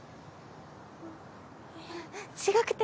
いや違くて。